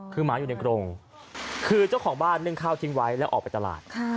คือหมาอยู่ในกรงคือเจ้าของบ้านนึ่งข้าวทิ้งไว้แล้วออกไปตลาด